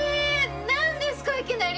何ですかいきなり。